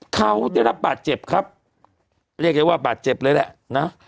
เขาได้รับบาดเจ็บครับเรียกได้ว่าบาดเจ็บเลยแหละนะ